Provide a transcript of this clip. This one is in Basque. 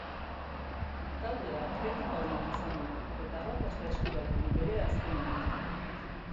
Taldeak kritika onak izan ditu eta arrakasta eskuratu du bere azken lanekin.